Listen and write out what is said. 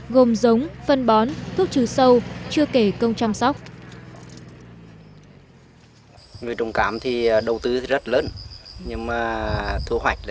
gồm giống phân bón thuốc trừ sâu chưa kể công chăm sóc